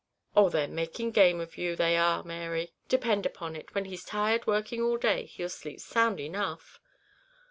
"Oh, they're making game of you they are, Mary; depend upon it, when he's tired working all day, he'll sleep sound enough."